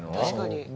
確かに。